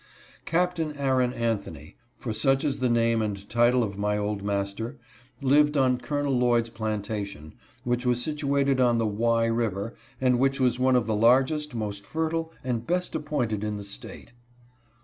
Captain Aaron Anthony, for such is the name and title of my old master, lived on Colonel Lloyd's plan tation, which was situated on the Wye river, and which was one of the largest, most fertile, and best appointed ,n the State.